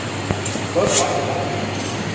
เวิร์คพอยท์สำนักพิมพ์